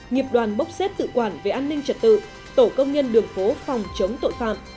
nghiệp đoàn bốc xếp tự quản về an ninh trật tự tổ công nhân đường phố phòng chống tội phạm